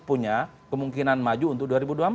punya kemungkinan maju untuk